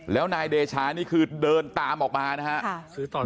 แล้วนายเดชานี่คือเดินตามออกมานะครับ